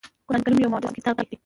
قرآن کریم یو معجز کتاب دی .